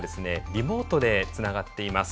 リモートでつながっています。